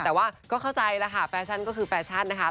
แต่ว่าก็เข้าใจแบบฟาชั่นก็คือฟาชั่นนะคะ